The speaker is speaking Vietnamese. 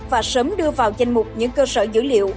và sớm đưa vào danh mục những cơ sở dữ liệu